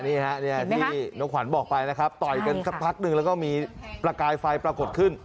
นี่ฮะเนี่ยที่น้องขวัญบอกไปนะครับต่อยกันสักพักหนึ่งแล้วก็มีประกายไฟปรากฏขึ้น